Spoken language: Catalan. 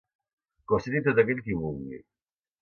Que ho senti tot aquell qui vulgui.